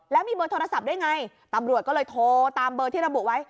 แล้วมีเบอร์โทรศัพท์ด้วยไงตำรวจก็เลยโทรตามเบอร์ที่ระบุไว้